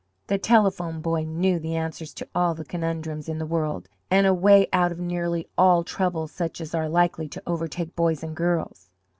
The Telephone Boy knew the answers to all the conundrums in the world, and a way out of nearly all troubles such as are likely to overtake boys and girls.